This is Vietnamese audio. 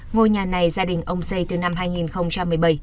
ngôi nhà này gia đình ông xây từ năm hai nghìn một mươi bảy